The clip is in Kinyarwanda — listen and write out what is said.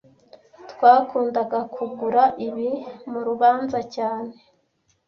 Twakundaga kugura ibi murubanza cyane